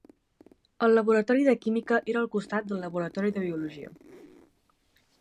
El laboratori de química era al costat del laboratori de biologia.